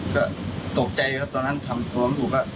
ก็ตกใจครับตอนนั้นทำตัวล้อมถูกครับ